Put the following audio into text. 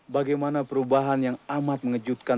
bagaimana perubahan yang amat mengejutkan